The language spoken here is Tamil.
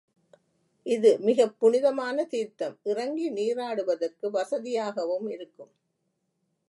இது மிகப் புனிதமான தீர்த்தம் இறங்கி நீராடுவதற்கு வசதியாகவும் இருக்கும்.